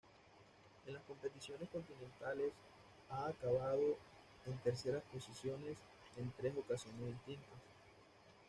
En las competiciones continentales ha acabado en tercera posiciones en tres ocasiones distintas.